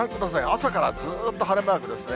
朝からずっと晴れマークですね。